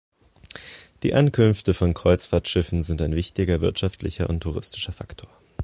Die Ankünfte von Kreuzfahrtschiffen sind ein wichtiger wirtschaftlicher und touristischer Faktor.